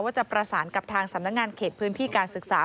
จะประสานกับทางสำนักงานเขตพื้นที่การศึกษา